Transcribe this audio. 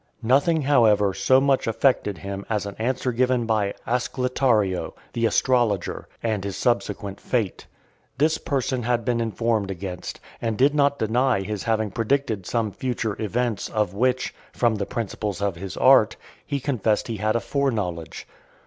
Nothing, however, so much affected him as an answer given by Ascletario, the astrologer, and his subsequent fate. This person had been informed against, and did not deny his having predicted some future events, of which, from the principles of his art, he confessed he had a foreknowledge.